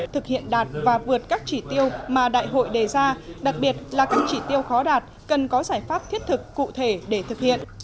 thực hiện đạt và vượt các chỉ tiêu mà đại hội đề ra đặc biệt là các chỉ tiêu khó đạt cần có giải pháp thiết thực cụ thể để thực hiện